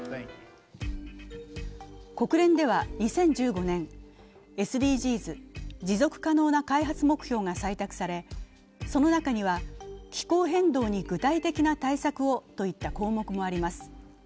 国連では２０１５年、ＳＤＧｓ＝持続可能な開発目標が採択され、その中には「気候変動に具体的な対策を」といった項目もあります。